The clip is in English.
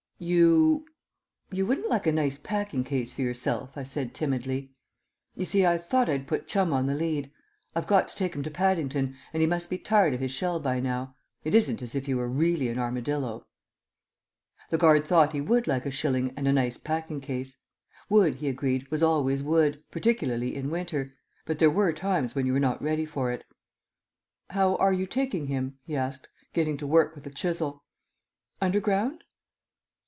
"You you wouldn't like a nice packing case for yourself?" I said timidly. "You see, I thought I'd put Chum on the lead. I've got to take him to Paddington, and he must be tired of his shell by now. It isn't as if he were really an armadillo." The guard thought he would like a shilling and a nice packing case. Wood, he agreed, was always wood, particularly in winter, but there were times when you were not ready for it. "How are you taking him?" he asked, getting to work with a chisel. "Underground?"